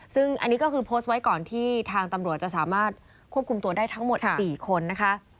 ซึ่งอันนี้ก็คือโพสต์ไว้ก่อนที่ทางตำรวจจะสามารถควบคุมตัวได้ทั้งหมด๔คนนะคะ